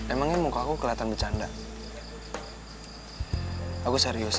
emangnya muka aku kelihatan bercanda aku serius